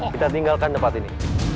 kita tinggalkan tempat ini